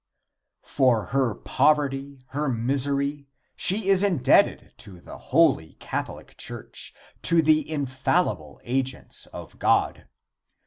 For her poverty, her misery, she is indebted to the holy Catholic Church, to the infallible agents of God.